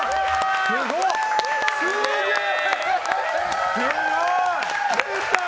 すげえ！